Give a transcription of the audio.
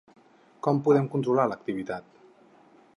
Com en podem controlar l’activitat?